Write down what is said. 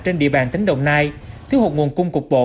trên địa bàn tỉnh đồng nai thiếu hụt nguồn cung cục bộ